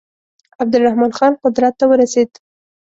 عبدالرحمن خان قدرت ته ورسېدی.